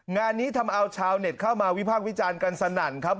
งานนี้ทำเอาชาวเน็ตเข้ามาวิพากษ์วิจารณ์กันสนั่นครับ